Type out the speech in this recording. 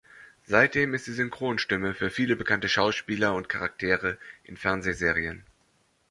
Seitdem ist sie Synchronstimme für viele bekannte Schauspieler und Charaktere in Fernsehserien.